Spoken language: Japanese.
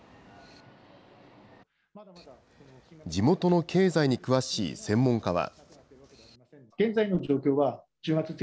地元の経済に詳しい専門家は。